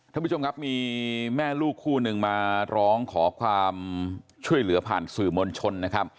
ท่านผู้ชมครับมีแม่ลูกคู่หนึ่งมาร้องขอความช่วยเหลือผ่านสื่อมวลชนนะครับ